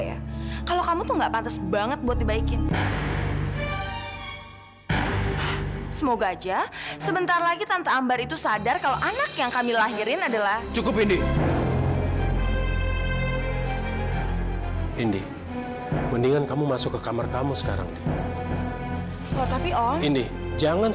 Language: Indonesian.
yuk alena suapin ya